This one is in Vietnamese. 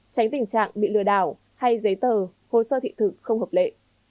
tránh tình trạng bị lừa đảo hay giấy tờ hồ sơ thị thực không hợp lệ